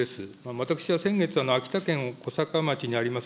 私は先月、秋田県こさか町にあります